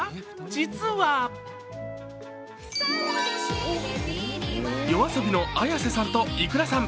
実はＹＯＡＳＯＢＩのＡｙａｓｅさんとｉｋｕｒａさん。